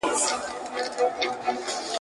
پر زکندن دي یادوم جانانه هېر مي نه کې !.